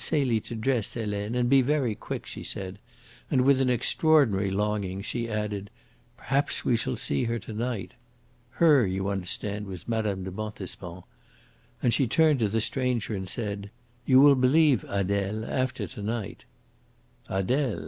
Celie to dress, Helene, and be very quick,' she said; and with an extraordinary longing she added, 'Perhaps we shall see her to night.' Her, you understand, was Mme. de Montespan." And she turned to the stranger and said, "You will believe, Adele, after to night." "Adele!"